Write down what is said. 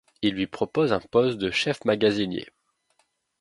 Il lui propose un poste de chef-magasinier.